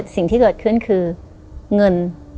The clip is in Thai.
ซึ่งที่จะกลับขึ้นหรือเงิน